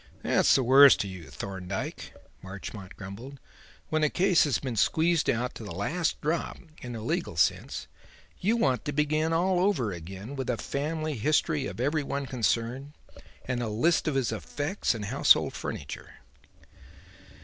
"That's the worst of you, Thorndyke," Marchmont grumbled. "When a case has been squeezed out to the last drop, in a legal sense, you want to begin all over again with the family history of every one concerned and a list of his effects and household furniture.